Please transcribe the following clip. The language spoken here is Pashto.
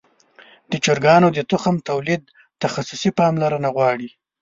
د چرګانو د تخم تولید تخصصي پاملرنه غواړي.